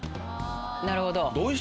なるほど。